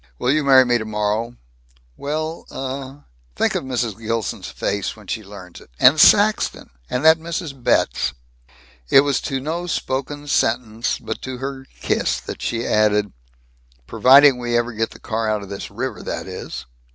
"Will you marry me, tomorrow?" "Well, uh " "Think of Mrs. Gilson's face when she learns it! And Saxton, and that Mrs. Betz!" It was to no spoken sentence but to her kiss that she added, "Providing we ever get the car out of this river, that is!"